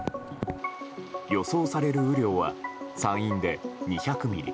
予想される雨量は山陰で２００ミリ